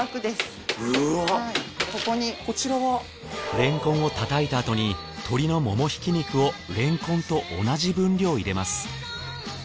れんこんを叩いたあとに鶏のもも挽き肉をれんこんと同じ分量入れます。